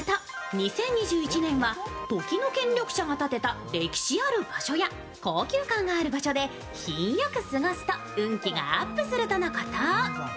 ２０２１年は時の権力者が建てた歴史ある場所や高級感がある場所で品良く過ごすと運気がアップするということ。